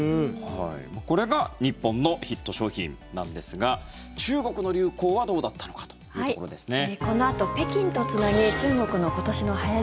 これが日本のヒット商品なんですが中国の流行はどうだったのかというところですね。